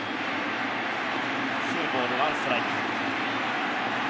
ツーボールワンストライク。